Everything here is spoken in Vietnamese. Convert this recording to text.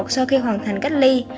sau khi hoàn thành cách ly